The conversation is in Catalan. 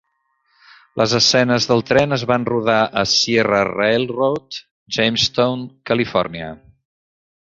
Les escenes del tren es van rodar a Sierra Railroad, Jamestown, Califòrnia.